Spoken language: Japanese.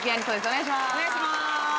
お願いします。